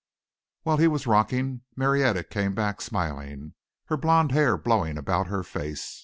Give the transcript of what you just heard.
While he was rocking, Marietta came back smiling, her blond hair blowing about her face.